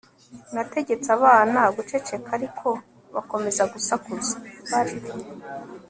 nategetse abana guceceka, ariko bakomeza gusakuza. (bart